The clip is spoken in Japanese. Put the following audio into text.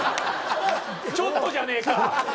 ちょっとじゃねえか。